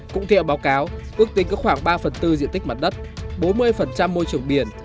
cũng theo báo cáo ước tính có khoảng ba phần tư diện tích mặt đất bốn mươi môi trường biển